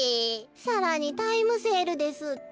さらにタイムセールですって。